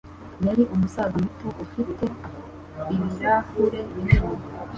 Yari umusaza muto ufite ibirahure binini.